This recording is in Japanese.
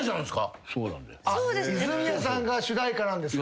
泉谷さんが主題歌なんですか！